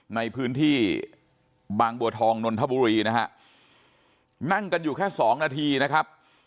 ในพื้นที่บางบัวทองนนทบุรีนะฮะนั่งกันอยู่แค่สองนาทีนะครับ